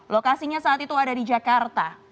lokasinya saat itu ada di jakarta